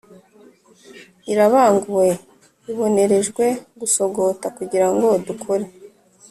irabanguwe ibonerejwe gusogota kugira ngo dukore